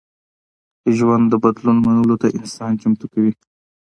ژوند د بدلون منلو ته انسان چمتو کوي.